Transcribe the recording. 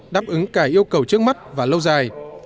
đáp ứng cả yêu cầu trước mắt và lâu dài